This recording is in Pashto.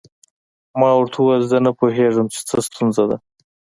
ما ورته وویل زه نه پوهیږم چې څه ستونزه ده.